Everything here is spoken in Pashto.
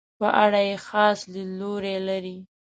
په اړه یې خاص لیدلوری لري.